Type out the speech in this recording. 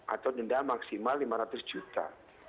atau denda maksimal lima ratus juta